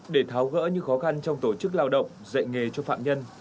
để tháo gỡ những khó khăn trong tổ chức lao động dạy nghề cho phạm nhân